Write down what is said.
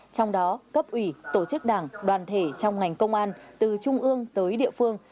trong đó cấp ủy tổ chức đảng đoàn thể trong ngành công an từ trung ương tới địa phương